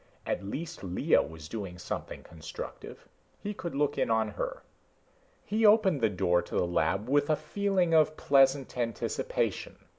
At least Lea was doing something constructive; he could look in on her. He opened the door to the lab with a feeling of pleasant anticipation.